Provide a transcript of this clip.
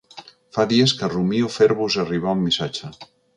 Fa dies que rumio fer-vos arribar un missatge.